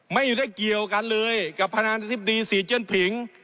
ไม่ได้เกี่ยวกันเลยกับพนาธิบดีซีเจียนผิง